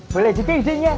boleh juga izinnya